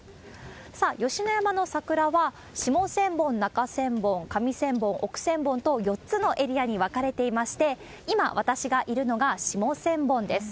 さあ、吉野山の桜は下千本、中千本、上千本、奥千本と４つのエリアに分かれていまして、今私がいるのが、下千本です。